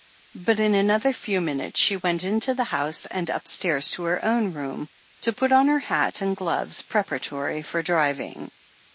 But in another few minutes she went into the house and upstairs to her own room, to put on her hat and gloves preparatory for driving.